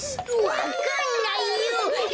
わかんないよ！